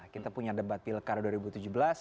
kita punya debat pilkara dua ribu tujuh belas